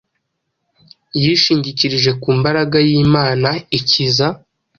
Yishingikirije ku mbaraga y’Imana ikiza